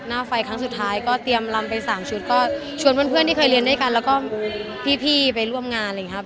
หน้าไฟกันสุดท้ายก็เตรียมลำไป๓ชุดชวนเพื่อนที่เคยเรียนด้วยกันและพี่ไปร่วมงาน